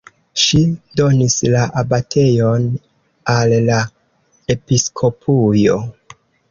Ŝi donis la abatejon al la episkopujo.